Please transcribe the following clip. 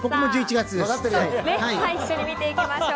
一緒に見ていきましょう。